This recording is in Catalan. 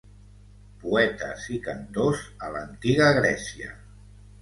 Poetes i cantors a l'antiga Grècia.